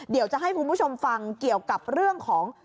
เดี๋ยวจะให้คุณผู้ชมฟังเกี่ยวกับเรื่องของ